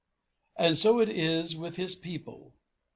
And so it is with His people.